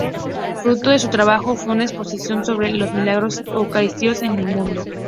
Fruto de su trabajo, fue una exposición sobre los Milagros Eucarísticos en el mundo.